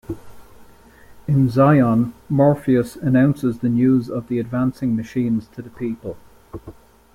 In Zion, Morpheus announces the news of the advancing machines to the people.